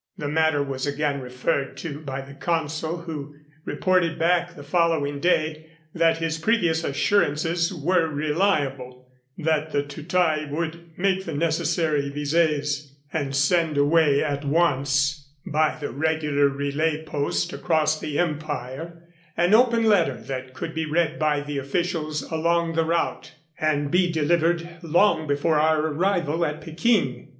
The matter was again referred to the consul, who reported back the following day that his previous assurances were reliable, that the Tootai would make the necessary vises, and send away at once, 135 by the regular relay post across the empire, an open letter that could be read by the officials along the route, and be delivered long before our arrival at Peking.